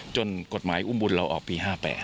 จนกฎหมายอุ้มบุญเราออกปี๕๘